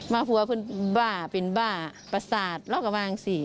มาหัวบ้าเป็นบ้าประสาทรอกวางสิ